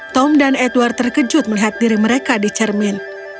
tom dan edward terkejut melihat diri mereka di cermin